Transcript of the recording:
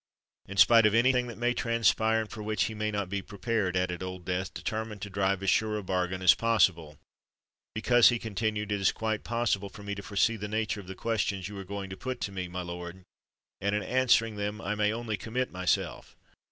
"In spite of any thing that may transpire, and for which he may not be prepared?" added Old Death, determined to drive as sure a bargain as possible: "because," he continued, "it is quite impossible for me to foresee the nature of the questions you are going to put to me, my lord—and, in answering them, I may only commit myself.